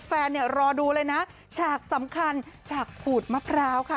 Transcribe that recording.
แฟนเนี่ยรอดูเลยนะฉากสำคัญฉากขูดมะพร้าวค่ะ